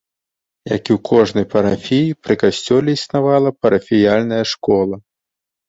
Як і ў кожнай парафіі, пры касцёле існавала парафіяльная школа.